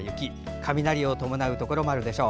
雷を伴うところもあるでしょう。